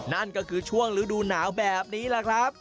นั่นก็คือช่วงฤดูหนาวแบบนี้แหละครับ